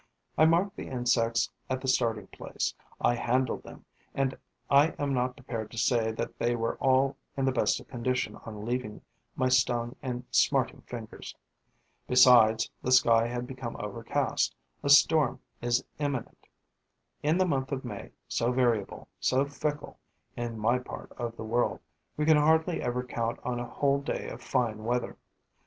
I marked the insects at the starting place; I handled them; and I am not prepared to say that they were all in the best of condition on leaving my stung and smarting fingers. Besides, the sky has become overcast, a storm is imminent. In the month of May, so variable, so fickle, in my part of the world, we can hardly ever count on a whole day of fine weather.